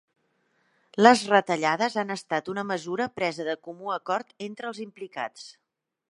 Les retallades han estat una mesura presa de comú acord entre els implicats.